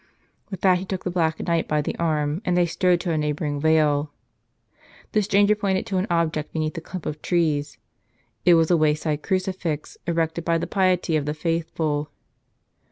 With that he took the Black Knight by the arm and they strode to a neighboring vale. The stranger pointed to an object beneath a clump of trees. It 92 The Black Knight was a wayside crucifix, erected by the piety of the faithful.